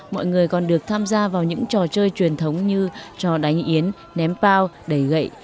mọi người còn được tham gia vào những trò chơi truyền thống như trò đánh yến ném bao đầy gậy